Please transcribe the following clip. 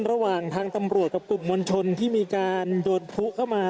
ระหว่างทางตำรวจกับกลุ่มมวลชนที่มีการโดนผู้เข้ามา